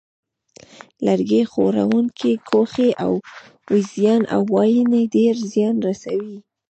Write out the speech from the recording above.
لرګي خوړونکي کوخۍ او وېږیان یا واینې ډېر زیان رسوي.